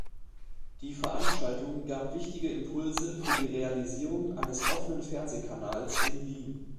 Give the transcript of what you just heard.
Die Veranstaltung gab wichtige Impulse für die Realisierung eines Offenen Fernsehkanals in Wien.